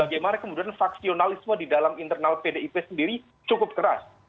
bagaimana kemudian faksionalisme di dalam internal pdip sendiri cukup keras